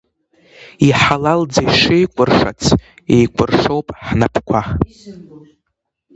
Иҳалалӡа ишеикәыршац еикәыршоуп ҳнапқәа.